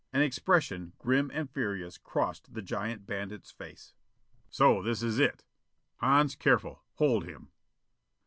An expression grim and furious crossed the giant bandit's face. "So this is it? Hans, careful hold him!"